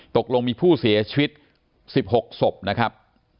ตกลงมีผู้เสียชีวิต๑๖ศพนะครับ